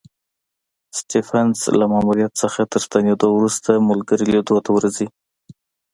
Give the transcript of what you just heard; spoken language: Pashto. سټېفنس له ماموریت څخه تر ستنېدو وروسته ملګري لیدو ته ورځي.